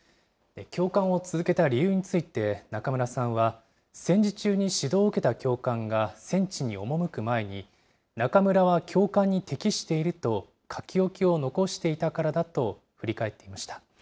教官を続けた理由について中村さんは、戦時中に指導を受けた教官が戦地に赴く前に、中村は教官に適していると書き置きを残していたからだと振り返っていました。